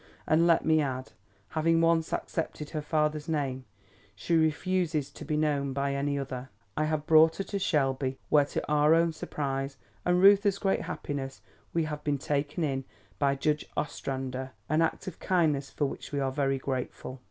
And, let me add, having once accepted her father's name, she refuses to be known by any other. I have brought her to Shelby where to our own surprise and Reuther's great happiness, we have been taken in by Judge Ostrander, an act of kindness for which we are very grateful."